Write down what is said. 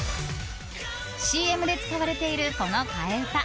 ＣＭで使われているこの替え歌。